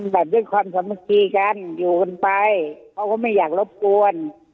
แบบด้วยความสามัคคีกันอยู่กันไปเขาก็ไม่อยากรบกวน